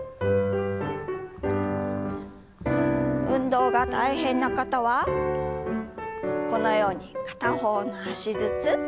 運動が大変な方はこのように片方の脚ずつ。